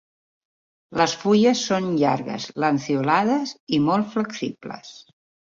Les fulles són llargues, lanceolades i molt flexibles.